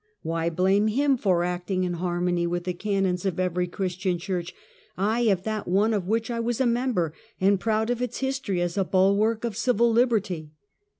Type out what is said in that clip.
Why blame him for acting in harmony with the canons of every Christian church — aye, of that one of which I was a member, and proud of its history as a bulwark of civil liberty?